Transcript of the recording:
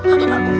semoga dia yakin